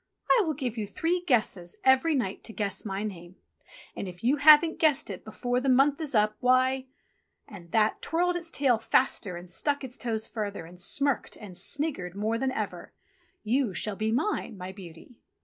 "I will give you three guesses every night to guess my name, and if you haven't guessed it before the month is up, why —" and That twirled its tail faster and stuck out its toes further, and smirked and sniggered more than ever — "you shall be mine, my beauty."